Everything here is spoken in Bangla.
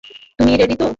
তুমি রেডি তো?